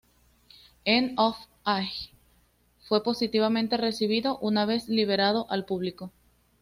End of Ages fue positivamente recibido una vez liberado al público.